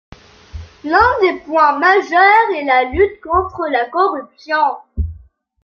L'un des points majeurs est la lutte contre la corruption.